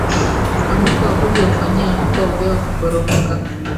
ambako wabunge hufanyia vikao vyao kuporomoka